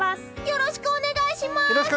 よろしくお願いします！